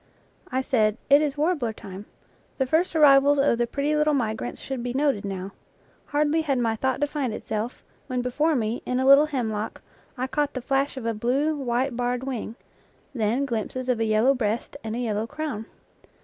I said, It is warbler time; the first arrivals of the pretty little migrants should be noted now. Hardly had my thought defined itself, when before me, in a little hemlock, I caught the flash of a blue, white barred wing; then glimpses of a yellow breast and a yellow crown.